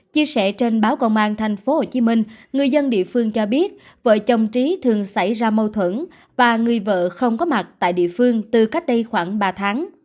chia sẻ trên báo công an thành phố hồ chí minh người dân địa phương cho biết vợ chồng trí thường xảy ra mâu thuẫn và người vợ không có mặt tại địa phương từ cách đây khoảng ba tháng